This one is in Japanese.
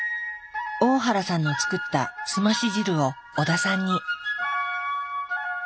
大原さんの作ったすまし汁を織田さんに。